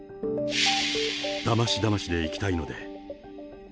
だましだましでいきたいので。